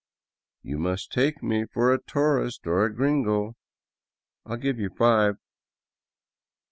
" You must take me for a tourist, or a gringo. I '11 give you five."